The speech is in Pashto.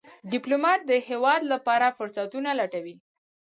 ډيپلومات د هېواد لپاره فرصتونه لټوي.